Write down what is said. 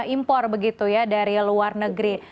impor begitu ya dari luar negeri